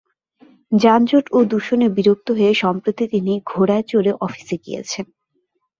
যানজট ও দূষণে বিরক্ত হয়ে সম্প্রতি তিনি ঘোড়ায় চড়ে অফিসে গিয়েছেন।